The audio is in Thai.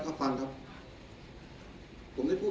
คุณท่านหวังว่าประชาธิบัติไม่ชอบมาตรา๔๔